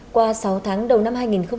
qua sáu tháng đầu năm hai nghìn một mươi sáu